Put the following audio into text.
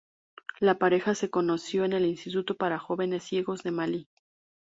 La pareja se conoció en el Instituto para jóvenes ciegos de Malí.